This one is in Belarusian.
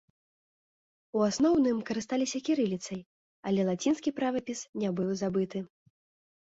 У асноўным карысталіся кірыліцай, але лацінскі правапіс не быў забыты.